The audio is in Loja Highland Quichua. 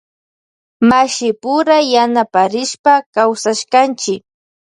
Mashipura yanaparishpa kawsashkanchi.